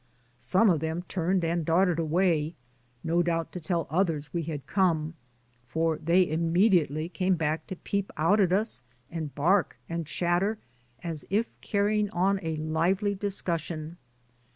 Some of them turned and darted away, no doubt to tell others we had come, for they immediately came back to peep out at us and bark and chatter, as if carrying on a lively discussion.